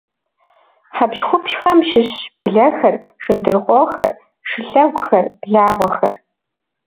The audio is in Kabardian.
Хьэпщхупщхэм щыщщ блэхэр, шындрыхъуохэр, шылъэгухэр, благъуэхэр.